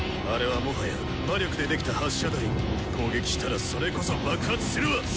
あれはもはや魔力でできた発射台攻撃したらそれこそ爆発するわ！